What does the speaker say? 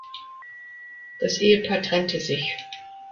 Das Ehepaar trennte sich.